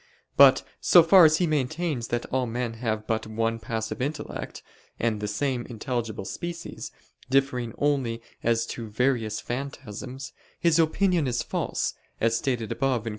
But so far as he maintains that all men have but one passive intellect, and the same intelligible species, differing only as to various phantasms, his opinion is false, as stated above (Q.